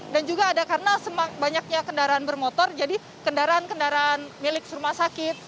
dan juga ada karena banyaknya kendaraan bermotor jadi kendaraan kendaraan milik rumah sakit